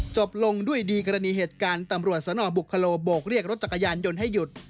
จบลงด้วยดีกรณีเหตุการณ์ตำรวจสนบุคโลโบกเรียกรถจักรยานยนต์ให้หยุด